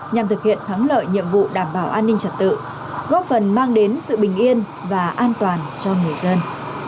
nhằm thực hiện thắng lợi nhiệm vụ đảm bảo an ninh trật tự góp phần mang đến sự bình yên và an toàn cho người dân